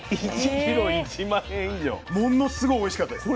ものすごいおいしかったです。